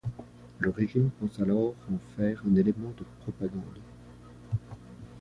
Le régime pense alors en faire un élément de propagande.